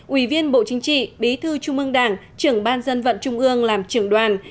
ủy viên bộ chính trị bí thư trung ương đảng trưởng ban dân vận trung ương làm trưởng đoàn